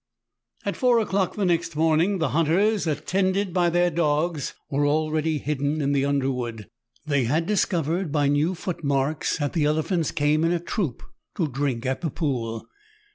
At four o'clock the next morning, the hunters, attended G % 84 MERIDIANA; THE ADVENTURES OF by their dogs, were already hidden in the underwood. They had discovered by new footmarks that the elephants came in a troop to drink at the pool.